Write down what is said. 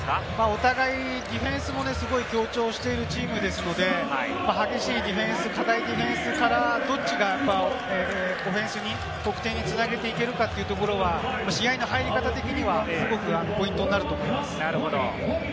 お互いディフェンスも強調しているチームですので、激しいディフェンス、堅いディフェンスからどっちがオフェンスに、得点に繋げていけるかというところは試合の入り方的にはすごくポイントになると思います。